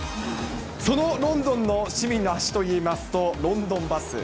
そのロンドンの市民の足といいますと、ロンドンバス。